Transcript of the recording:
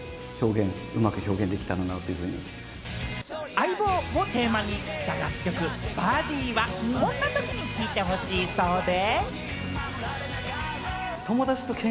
相棒をテーマにした楽曲『Ｂｕｄｄｙ』は、こんなときに聞いてほしいそうで。